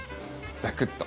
ザクッと。